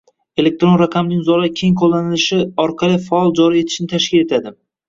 elektron raqamli imzolar keng qo’llanilishi orqali faol joriy etishni tashkil etadi.